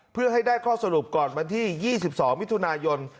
เพื่อให้ได้ข้อสรุปก่อนวันที่๒๒มิถุนายน